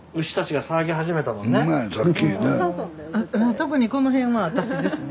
特にこの辺は私ですね。